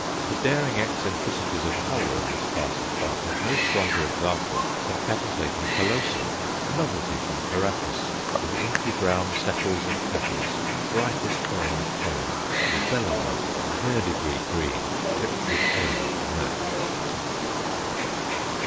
The daring eccentricities of colour in this class of plant have no stronger example than C. callosum, a novelty from Caraccas, with inky brown sepals and petals, brightest orange column, labellum of verdigris green tipped with orange to match.